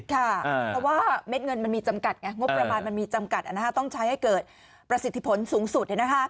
เพราะว่าเม็ดเงินมันมีจำกัดไงงบประมาณมันมีจำกัดต้องใช้ให้เกิดประสิทธิผลสูงสุด